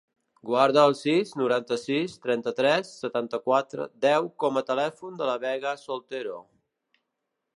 Guarda el sis, noranta-sis, trenta-tres, setanta-quatre, deu com a telèfon de la Vega Soltero.